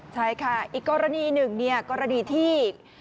ใช่อีกกรณีหนึ่งกรณีที่